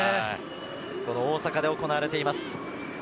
大阪で行われています。